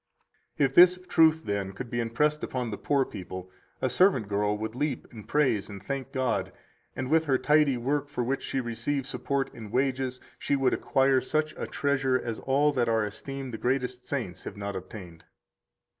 145 If this truth, then, could be impressed upon the poor people, a servant girl would leap and praise and thank God; and with her tidy work for which she receives support and wages she would acquire such a treasure as all that are esteemed the greatest saints have not obtained.